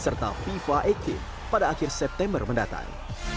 serta fifa delapan pada akhir september mendatang